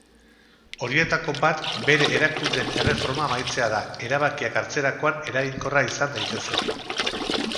Horietako bat bere erakundeen erreforma amaitzea da, erabakiak hartzerakoan eraginkorra izan daitezen.